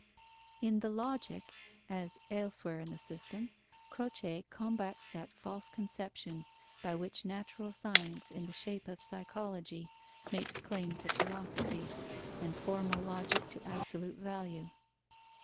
In the Logic, as elsewhere in the system, Croce combats that false conception, by which natural science, in the shape of psychology, makes claim to philosophy, and formal logic to absolute value.